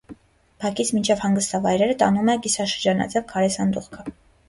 Բակից մինչև հանգստավայրերը տանում է կիսաշրջանաձև քարե սանդուղք։